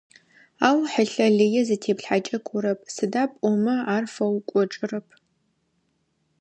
Ау хьылъэ лые зытеплъхьэкӏэ кӏорэп, сыда пӏомэ ар фэукӏочӏырэп.